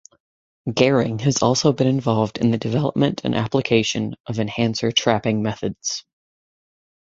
Gehring has also been involved in the development and application of enhancer trapping methods.